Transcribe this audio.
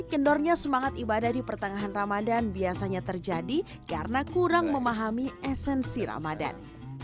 kendornya semangat ibadah di pertengahan ramadan biasanya terjadi karena kurang memahami esensi ramadan